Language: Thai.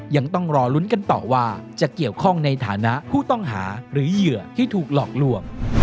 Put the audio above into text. ยังต้องรอลุ้นกันต่อว่าจะเกี่ยวข้องในฐานะผู้ต้องหาหรือเหยื่อที่ถูกหลอกลวง